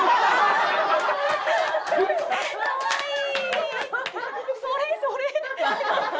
かわいい！